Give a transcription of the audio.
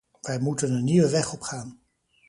Wij moeten een nieuwe weg opgaan.